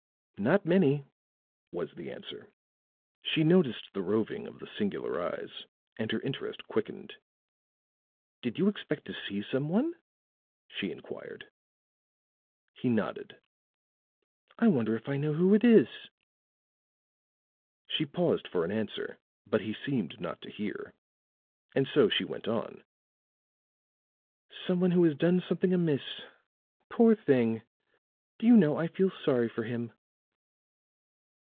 "Not many," was the answer. She noticed the roving of the singular eyes, and her interest quickened. "Did you expect to see some one?" she inquired. He nodded. "I wonder if I know who it is?" She paused for an answer, but he seemed not to hear, and so she went on: "Some one who has done something amiss. Poor thing! Do you know, I feel sorry for him."